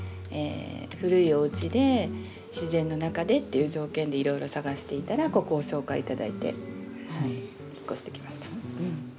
古いおうちで自然の中でっていう条件でいろいろ探していたらここを紹介頂いて引っ越してきました。